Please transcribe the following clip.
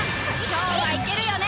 今日はいけるよね？